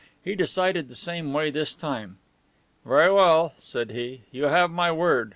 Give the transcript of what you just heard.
He decided the same way this time. "Very well," said he. "You have my word.